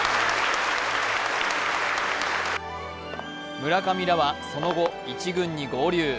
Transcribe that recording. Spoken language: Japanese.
村上らはその後、１軍に合流。